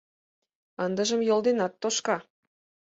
Ындыжым йол денат тошка.